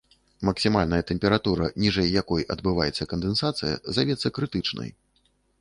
Максімальная тэмпература, ніжэй якой адбываецца кандэнсацыя, завецца крытычнай.